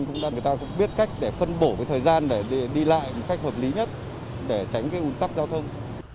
chúng ta cũng biết cách phân bổ thời gian để đi lại một cách hợp lý nhất để tránh ủn tắc giao thông